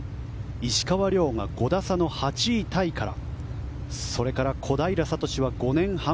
石川遼が５打差の８位タイから。